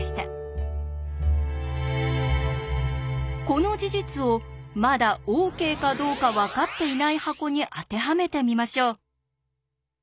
この事実をまだＯＫかどうか分かっていない箱に当てはめてみましょう。